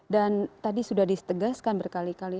dan tadi sudah disetegaskan berkali kali